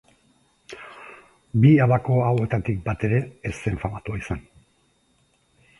Bi abako hauetatik batere, ez zen famatua izan.